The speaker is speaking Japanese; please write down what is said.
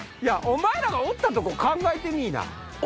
お前らがおったとこ考えてみぃな。